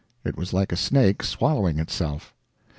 It was like a snake swallowing itself.